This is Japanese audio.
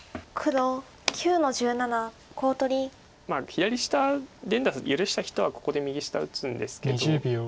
左下連打許した人はここで右下打つんですけど。